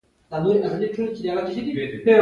د دهلېز له لارې په ستونزو.